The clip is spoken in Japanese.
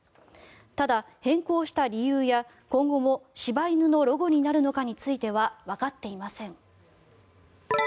ただ、変更した理由や今後も柴犬のロゴになるのかについてはわかっていません。